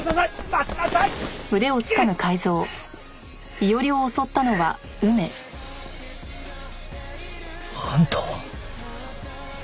待ちなさい！あんたは！